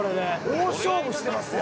「大勝負してますやん」